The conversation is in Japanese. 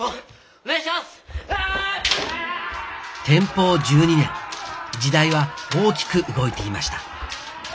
天保１２年時代は大きく動いていました。